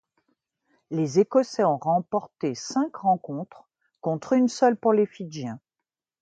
Les Écossais ont remporté cinq rencontres contre une seule pour les Fidjiens.